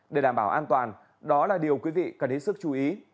để đảm bảo an toàn đó là điều quý vị cần hết sức chú ý